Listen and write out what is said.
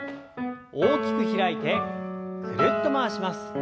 大きく開いてぐるっと回します。